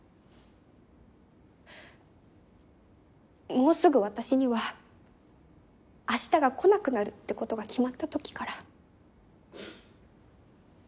もうすぐ私には明日が来なくなるってことが決まった時から。